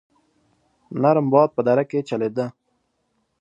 نرم باد په دره کې چلېده.